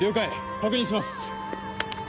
確認します。